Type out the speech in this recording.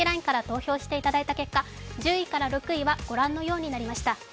ＬＩＮＥから投票していただいた結果１０位から６位はご覧のようになりました。